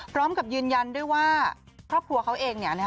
พร้อมกับยืนยันด้วยว่าครอบครัวเขาเอง